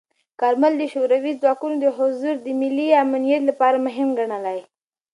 کارمل د شوروي ځواکونو حضور د ملي امنیت لپاره مهم ګڼلی.